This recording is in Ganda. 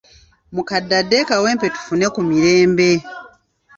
Mukadde adde e Kawempe tufune ku mirembe.